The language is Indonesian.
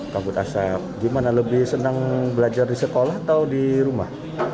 kabut asap gimana lebih senang belajar di sekolah atau di rumah